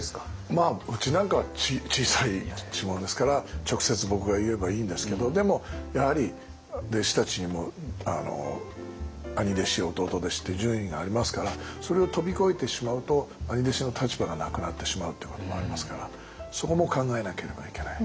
まあうちなんか小さい一門ですから直接僕が言えばいいんですけどでもやはり弟子たちにも兄弟子弟弟子って順位がありますからそれを飛び越えてしまうと兄弟子の立場がなくなってしまうってこともありますからそこも考えなければいけない。